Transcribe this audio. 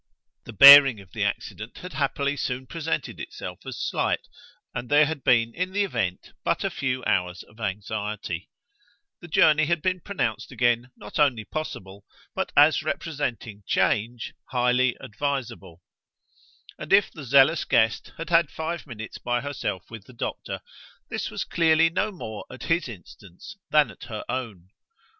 The bearing of the accident had happily soon presented itself as slight, and there had been in the event but a few hours of anxiety; the journey had been pronounced again not only possible, but, as representing "change," highly advisable; and if the zealous guest had had five minutes by herself with the Doctor this was clearly no more at his instance than at her own.